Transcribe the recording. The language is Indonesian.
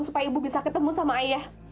supaya ibu bisa ketemu sama ayah